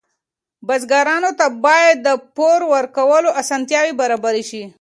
بزګرانو ته باید د پور ورکولو اسانتیاوې برابرې شي.